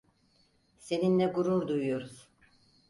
Seninle gurur duyuyoruz.